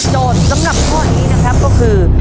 สำหรับข้อนี้นะครับก็คือ